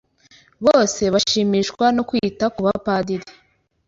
Bose bashimishwa no kwita ku bapadiri